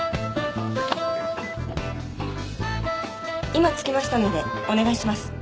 今着きましたのでお願いします。